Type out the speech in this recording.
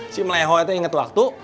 si meleho itu inget waktu